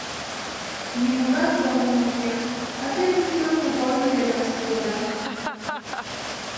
Нимогай корно уке, а те пуйто кугорно дене ошкылыда.